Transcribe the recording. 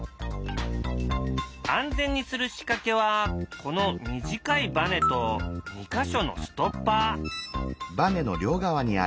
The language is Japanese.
安全にする仕掛けはこの短いバネと２か所のストッパー。